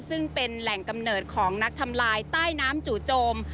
ซึ่งเป็นแหล่งกำเนิดของนักทำลายใต้น้ำจู่โจม